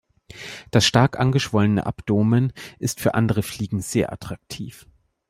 Das stark angeschwollene Abdomen ist für andere Fliegen sehr attraktiv.